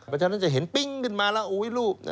เพราะฉะนั้นจะเห็นปิ๊งขึ้นมาแล้วรูป